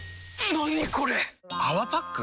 何これ⁉「泡パック」？